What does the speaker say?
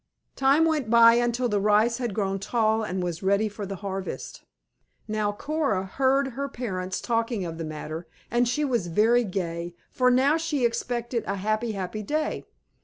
Time went by until the rice had grown tall and was ready for the harvest. Now Coora heard her parents talking of the matter, and she was very gay, for now she expected a happy, happy day.